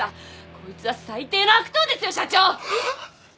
こいつは最低の悪党ですよ社長！